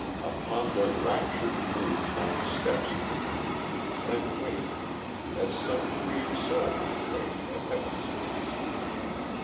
Upon their raptured mood My steps intrude, Then wait as some freed soul might wait At heaven's gate.